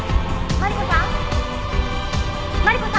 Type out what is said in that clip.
マリコさん？」